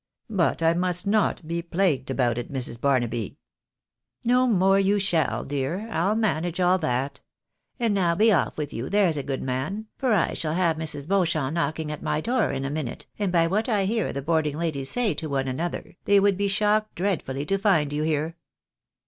But I must not be plagued about it, Mrs. Barnaby." " No more you shall, dear ; I'll manage all that. And aow be o£f with you, there's a good man, for I shall have Mrs. Beauchamp knocking at my door in a minute, and by what I hear the boarding ladies say to one another, they would be shocked dreadfully to find you here."